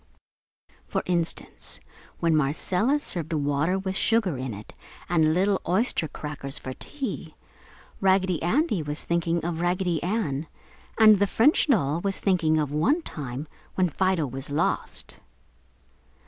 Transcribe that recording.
For instance, when Marcella served water with sugar in it and little oyster crackers for "tea," Raggedy Andy was thinking of Raggedy Ann, and the French doll was thinking of one time when Fido was lost.